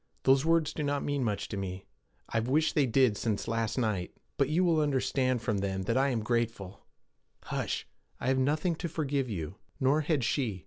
'Those words do not mean much to me. I've wished they did since last night. But you will understand from them that I am grateful. Hush! I have nothing to forgive you. Nor had she.